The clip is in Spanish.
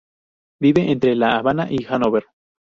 Vive entre La Habana y Hannover.